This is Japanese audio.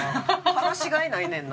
話しがいないねんな。